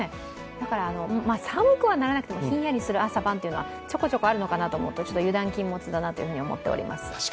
だから、寒くはならなくてもひんやりする朝晩はちょこちょこあるのかなと思うと油断禁物だなと思っております。